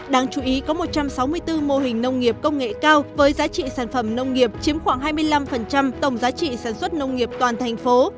đáng chú ý có một trăm sáu mươi bốn mô hình nông nghiệp công nghệ cao với giá trị sản phẩm nông nghiệp chiếm khoảng hai mươi năm tổng giá trị sản xuất nông nghiệp toàn thành phố